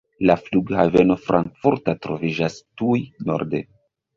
La Flughaveno Frankfurta troviĝas tuj norde.